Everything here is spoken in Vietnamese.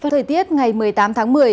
thời tiết ngày một mươi tám tháng một mươi